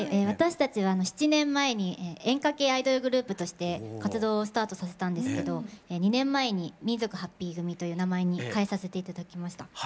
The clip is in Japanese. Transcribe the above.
私たちは７年前に演歌系アイドルグループとして活動をスタートさせたんですけど２年前に「民族ハッピー組」という名前に変えさせて頂きました。